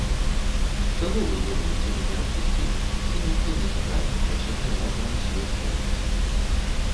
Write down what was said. Чаго вы думаеце мяне адпусцілі, сынок мяне чакае, не сёння-заўтра на свет з'явіцца.